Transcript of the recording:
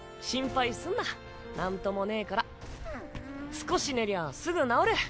少し寝りゃすぐ治る。